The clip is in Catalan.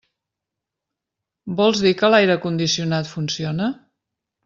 Vols dir que l'aire condicionat funciona?